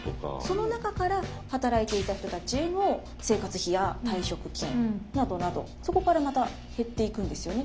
その中から働いていた人たちへの生活費や退職金などなどそこからまた減っていくんですよね